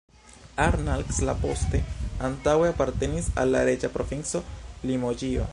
Arnac-la-Poste antaŭe apartenis al la reĝa provinco Limoĝio.